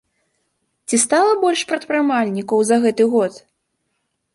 Ці стала больш прадпрымальнікаў за гэты год?